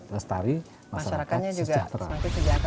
lestari masyarakat sejahtera masyarakatnya juga